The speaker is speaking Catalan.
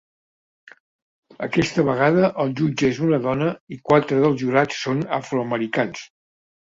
Aquesta vegada el jutge és una dona i quatre dels jurats són afroamericans.